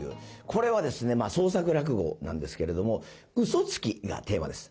これはですねまあ創作落語なんですけれども嘘つきがテーマです。